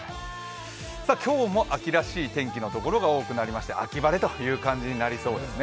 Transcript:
今日も秋らしい天気のところが多くなりまして、秋晴れという感じになりそうです。